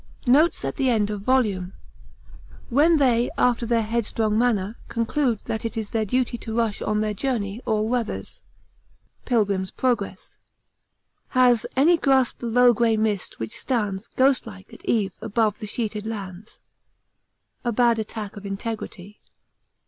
Notes at End of Volume 'When they after their headstrong manner, conclude that it is their duty to rush on their journey all weathers; ...' 'Pilgrim's Progress.' 'Has any grasped the low grey mist which stands Ghostlike at eve above the sheeted lands.' A bad attack of integrity!!